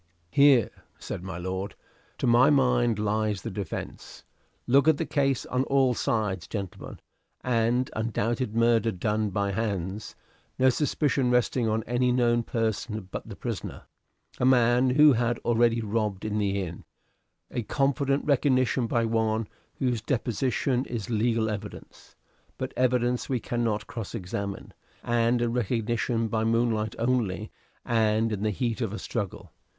"Here," said my lord, "to my mind, lies the defence. Look at the case on all sides, gentlemen: an undoubted murder done by hands; no suspicion resting on any known person but the prisoner a man who had already robbed in the inn; a confident recognition by one whose deposition is legal evidence, but evidence we cannot cross examine; and a recognition by moonlight only and in the heat of a struggle.